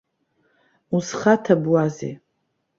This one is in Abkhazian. Узхаҭабуазеи!